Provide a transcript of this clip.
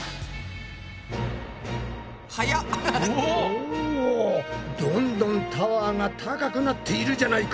おどんどんタワーが高くなっているじゃないか！